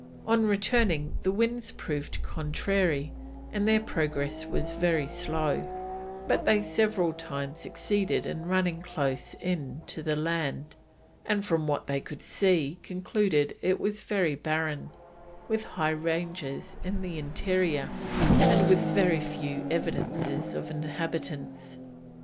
On returning the winds proved contrary, and their progress was very slow, but they several times succeeded in running close in to the land, and from what they could see concluded it was very barren, with high ranges in the interior and with very few evidences of inhabitants.